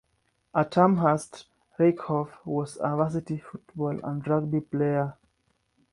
At Amherst, Rieckhoff was a varsity football and rugby player.